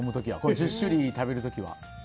１０種類食べる時は。